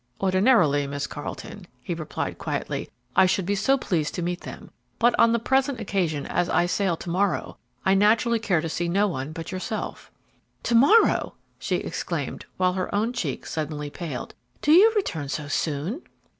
"Ordinarily, Miss Carleton," he replied, quietly, "I should be pleased to meet them, but on the present occasion, as I sail, to morrow, I naturally care to see no one but yourself." "To morrow!" she exclaimed, while her own cheek suddenly paled. "Do you return so soon?"